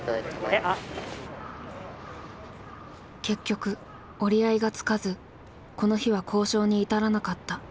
結局折り合いがつかずこの日は交渉に至らなかった。